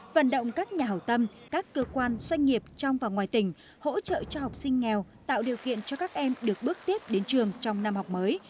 vận động các nhà hảo tâm các cơ quan doanh nghiệp trong và ngoài tỉnh hỗ trợ cho học sinh nghèo tạo điều kiện cho các em được bước tiếp đến trường trong năm học mới